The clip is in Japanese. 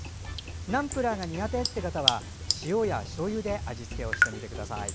ナムプラーが苦手という方は塩やしょうゆで味付けしてみてください。